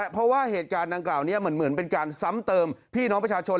เพราะว่าเหตุการณ์ดังกล่าวนี้เหมือนเป็นการซ้ำเติมพี่น้องประชาชน